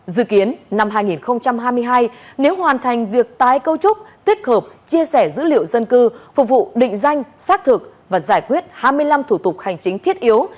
dự kiến năm hai nghìn hai mươi hai nếu hoàn thành việc tái câu trúc tích hợp chia sẻ dữ liệu dân cư phục vụ định danh xác thực và giải quyết hai mươi năm thủ tục hành chính thiết yếu